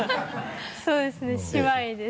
そうですね姉妹です。